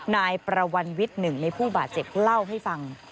นายประวันวิทย์หนึ่งในผู้บาดเจ็บเล่าให้ฟัง